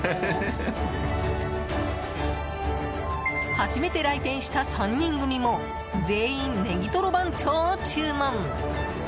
初めて来店した３人組も全員ねぎとろ番長を注文。